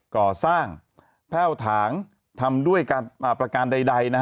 ก่อสร้างแพ่วถางทำด้วยประการใด